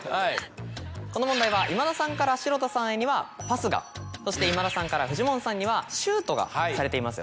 この問題は今田さんから城田さんへにはパスがそして今田さんからフジモンさんにはシュートがされていますよね。